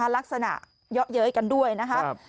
ลักษณะเยาะเย้ยกันด้วยนะครับ